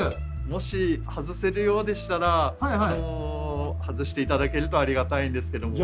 もし外せるようでしたら外して頂けるとありがたいんですけども。